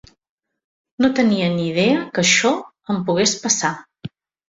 No tenia ni idea que això em pogués passar.